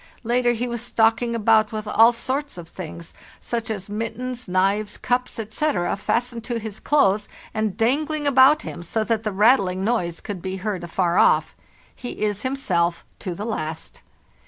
Later he was stalking about with all sorts of things, such as mittens, knives, cups, etc., fastened to his clothes and dangling about him, so that the rattling noise could be heard afar off. He is himself to the last.